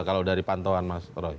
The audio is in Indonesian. kalau dari pantauan mas roy